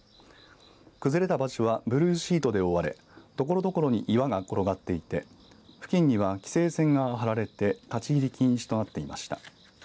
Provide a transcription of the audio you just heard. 崩れた場所はブルーシートで覆われところどころに岩が転がっていて付近には規制線が張られて立ち入り禁止となっていました。